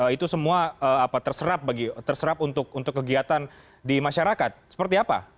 itu semua terserap untuk kegiatan di masyarakat seperti apa